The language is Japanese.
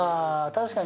確かに。